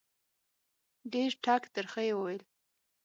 ډېر ټک ترخه یې وویل.